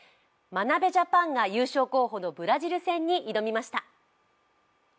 眞鍋ジャパンが優勝候補のブラジル戦に挑みました。